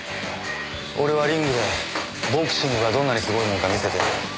俺はリングでボクシングがどんなにすごいものか見せてやる。